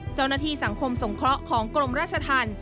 เจ้าหน้าที่สังคมสงเคราะห์ของกรมราชธรรม